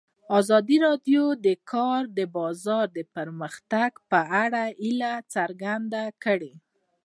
ازادي راډیو د د کار بازار د پرمختګ په اړه هیله څرګنده کړې.